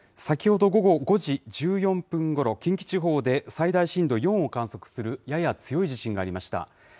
先ほど午後５時１４分ごろ、近畿地方で最大震度４を観測するやや強い地震がありました。